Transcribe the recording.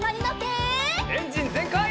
エンジンぜんかい！